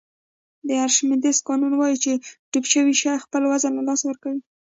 د ارشمیدس قانون وایي چې ډوب شوی شی خپل وزن له لاسه ورکوي.